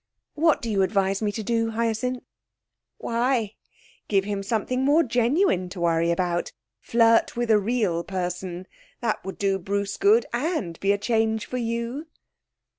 What do you advise me to do, Hyacinth?' 'Why, give him something more genuine to worry about flirt with a real person. That would do Bruce good, and be a change for you.'